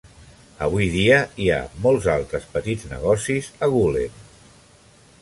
Avui dia, hi ha molts altres petits negocis a Gulen.